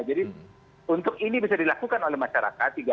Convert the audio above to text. jadi untuk ini bisa dilakukan oleh masyarakat